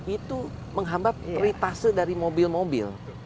itu menghambat ritase dari mobil mobil